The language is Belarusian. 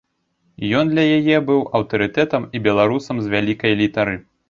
Ён для яе быў аўтарытэтам і беларусам з вялікай літары.